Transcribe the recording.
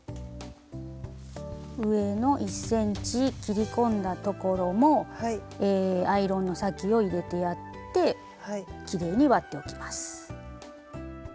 上の１ｃｍ切り込んだところもアイロンの先を入れてやってきれいに割っておきます。